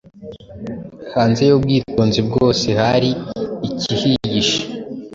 Hanze yubwitonzi bwose hari ikihiyishe